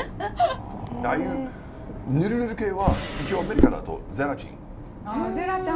ああいうぬるぬる系は一応アメリカだとゼラチン。